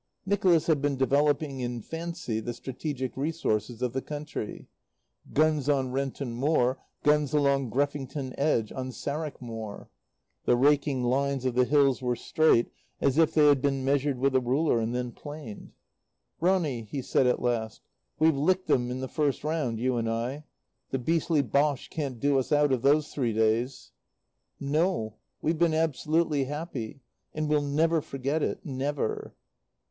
Nicholas had been developing, in fancy, the strategic resources of the country. Guns on Renton Moor, guns along Greffington Edge, on Sarrack Moor. The raking lines of the hills were straight as if they had been measured with a ruler and then planed. "Ronny," he said at last, "we've licked 'em in the first round, you and I. The beastly Boche can't do us out of these three days." "No. We've been absolutely happy. And we'll never forget it. Never."